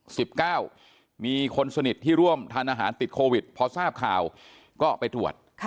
มีคนสนิทที่ร่วมทานอาหารติดโควิดพอทราบข่าวก็ไปตรวจ